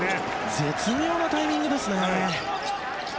絶妙なタイミングですね。